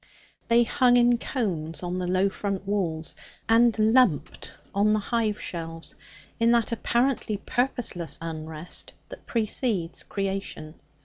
They hung in cones on the low front walls, and lumped on the hive shelves in that apparently purposeless unrest that precedes creation.